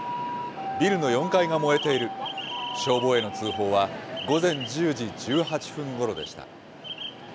ビルの４階が燃えている、消防への通報は、午前１０時１８分ごろでした。